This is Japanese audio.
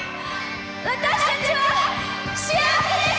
私たちは幸せでした。